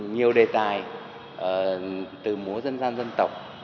nhiều đề tài từ múa dân gian dân tộc